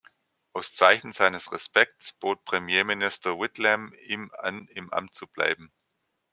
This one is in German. Aus Zeichen seines Respekts bot Premierminister Whitlam ihm an im Amt zu bleiben.